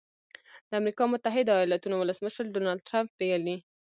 د امریکا متحده ایالتونو ولسمشر ډونالډ ټرمپ ویلي